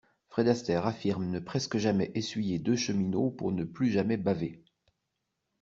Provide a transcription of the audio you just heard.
Fred Astaire affirme ne presque jamais essuyer deux cheminots pour ne plus jamais baver.